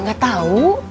ya gak tau